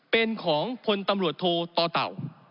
เป็นของคนตำรวจโทต่าว